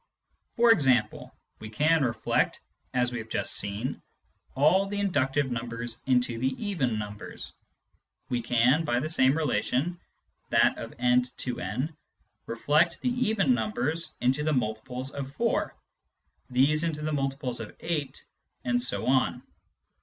For example, we can reflect, as we have just seen, all the inductive numbers into the even numbers ; we can, by the same relation (that of n to 2») reflect the even numbers into the multiples of 4, these into the multiples of 8, and so on.